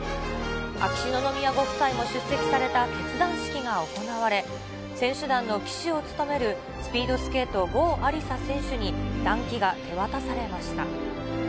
秋篠宮ご夫妻も出席された結団式が行われ、選手団の旗手を務めるスピードスケート、郷亜里砂選手に、団旗が手渡されました。